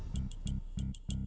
tidak ada lagi